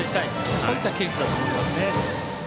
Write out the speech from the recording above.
そういったケースだと思いますね。